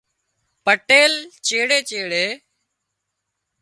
پٽيل چيڙي چيڙي